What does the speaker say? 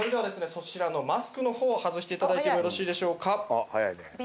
そちらのマスクの方を外していただいてもよろしいでしょうか？